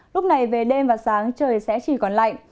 lúc này về đêm và sáng trời sẽ chỉ còn lạnh